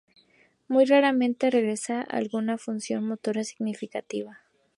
Muy raramente regresa alguna función motora significativa.